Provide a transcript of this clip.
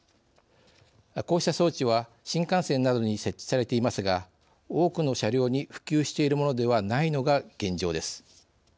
こうした装置は、新幹線などに設置されていますが多くの車両に普及しているものではないのが現状です。